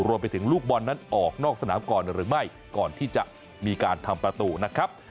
รวมไปถึงลูกบอลนั้นออกนอกสนามก่อนหรือไม่ก่อนที่จะมีการทำประตูนะครับ